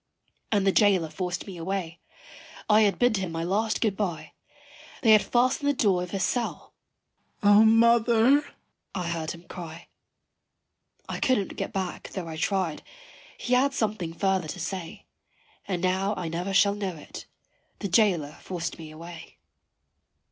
And the jailer forced me away. I had bid him my last good bye; They had fastened the door of his cell. "O mother!" I heard him cry. I couldn't get back tho' I tried, he had something further to say, And now I never shall know it. The jailer forced me away.